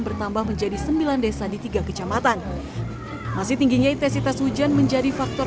bertambah menjadi sembilan desa di tiga kecamatan masih tingginya intensitas hujan menjadi faktor